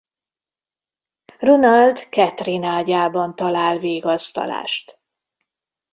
Ronald Kathryn ágyában talál vigasztalást.